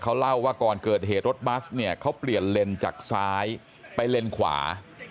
เขาเล่าว่าก่อนเกิดเหตุรถบัสเนี่ยเขาเปลี่ยนเลนจากซ้ายไปเลนขวา